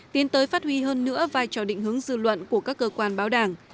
tiến tới phát huy hơn nữa vai trò định hướng dư luận của các cơ quan báo đảng